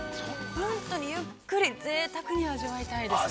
本当にゆっくりぜいたくに味わいたいです。